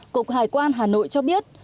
cục hải quan hà nội cho biết